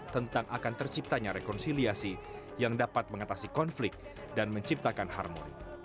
tentang akan terciptanya rekonsiliasi yang dapat mengatasi konflik dan menciptakan harmoni